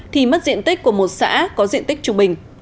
thì mất diện tích của một xã có diện tích trung bình